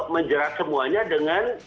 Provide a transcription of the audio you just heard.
menjerat semuanya dengan